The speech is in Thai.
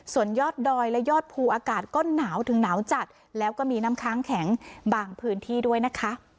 ส่วนยอดดอยและยอดภูอากาศก็หนาวถึงหนาวจัดแล้วก็มีน้ำค้างแข็งบางพื้นที่ด้วยนะคะ